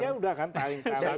malaysia sudah kan paling